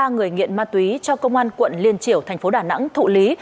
ba người nghiện ma túy cho công an quận liên triểu thành phố đà nẵng thụ lý